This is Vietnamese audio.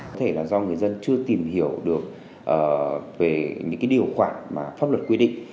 có thể là do người dân chưa tìm hiểu được về những điều khoản mà pháp luật quy định